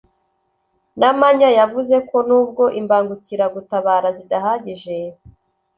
Namanya yavuze ko nubwo imbangukiragutabara zidahagije